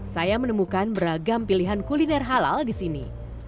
saya menemukan beragam pilihan kuliner halal di sini